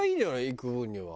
行く分には。